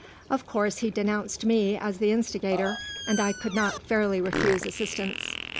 Of course he denounced me as the instigator, and I could not fairly refuse assistance.